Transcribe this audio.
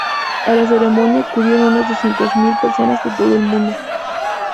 A la ceremonia acudieron unas doscientas mil personas de todo el mundo.